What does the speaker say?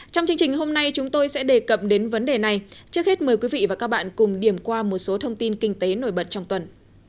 trong chương trình hôm nay chúng tôi sẽ đề cập đến vấn đề này trước hết mời quý vị và các bạn cùng điểm qua một số thông tin kinh tế nổi bật trong tuần